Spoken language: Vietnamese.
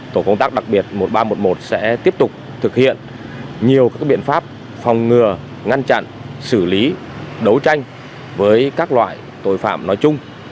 tổ công tác đặc biệt một nghìn ba trăm một mươi một sẽ tiếp tục thực hiện nhiều các biện pháp phòng ngừa ngăn chặn xử lý đấu tranh với các loại tội phạm nói chung